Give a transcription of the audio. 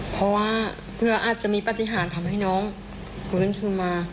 เพราะว่าเพื่ออาจจะมีปฏิหารทำให้น้องฟื้นขึ้นมา